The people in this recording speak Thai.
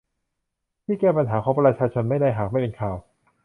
ที่แก้ปัญหาของประชาชนไม่ได้หากไม่เป็นข่าว